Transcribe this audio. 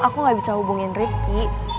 aku gak bisa hubungin rifki